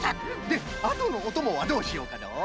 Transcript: であとのおともはどうしようかのう？